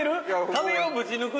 「壁をぶち抜く」